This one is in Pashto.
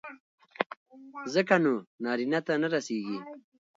ځکه نو نارينه ته نه رسېږي.